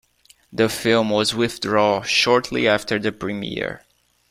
The film was withdrawn shortly after the premiere.